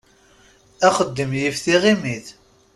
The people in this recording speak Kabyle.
Axeddim yif tiɣimit.